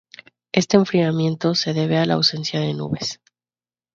Este enfriamiento se debe a la ausencia de nubes.